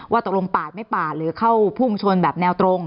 ว่าตกลงปาดไม่ปาดหรือเข้าผู้มชนแนวตรง